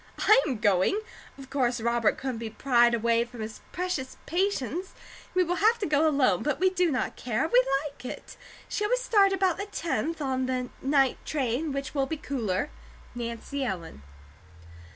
I am going. Of course Robert couldn't be pried away from his precious patients; we will have to go alone; but we do not care. We like it. Shall we start about the tenth, on the night train, which will be cooler? NANCY ELLEN.